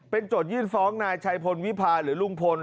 เป็นจอดยื่นฟ้องท์นายชายพลวิพาห์หรือรุงพล